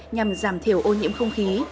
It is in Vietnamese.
nhằm giảm thiểu ô nhiễm không khí